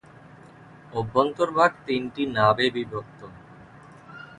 অভ্যন্তরভাগ তিনটি নাবে বিভক্ত।